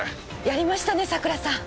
やりましたね佐倉さん。